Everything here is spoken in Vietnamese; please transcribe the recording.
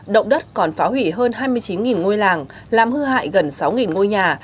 động đất còn phá hủy hơn hai mươi chín ngôi làng làm hư hại gần sáu ngôi nhà